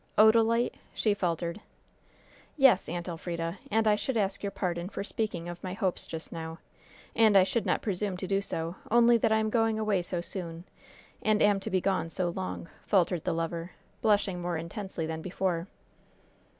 "Odalite!" she faltered. "Yes, Aunt Elfrida; and I should ask your pardon for speaking of my hopes just now! And I should not presume to do so, only that I am going away so soon, and am to be gone so long," faltered the lover, blushing more intensely than before.